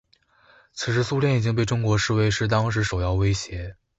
此时苏联已经被中国视为是当时首要威胁。